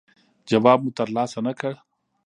جواب مو ترلاسه نه کړ.